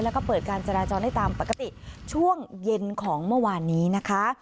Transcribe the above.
แล้วก็เปิดการจราจรได้ตามปกติช่วงเย็นของเมื่อวานนี้นะคะ